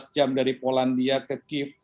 empat belas jam dari polandia ke kiev